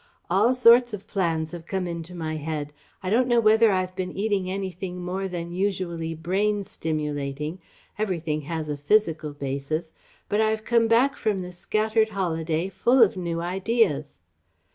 All sorts of plans have come into my head. I don't know whether I have been eating anything more than usually brain stimulating everything has a physical basis but I have come back from this scattered holiday full of new ideas."